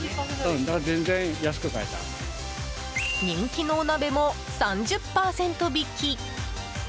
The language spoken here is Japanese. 人気のお鍋も３０％引き。